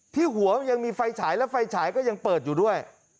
ที่หัวยังมีไฟฉายและไฟฉายก็ยังเปิดอยู่ด้วย